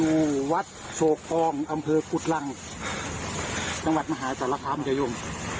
วัดโศกทองอำเภอกุฎรังจังหวัดมหาศาลคามมันจะยม